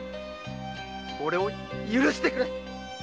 俺を許してくれ！